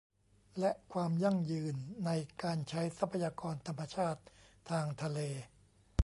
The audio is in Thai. และความยั่งยืนในการใช้ทรัพยากรธรรมชาติทางทะเล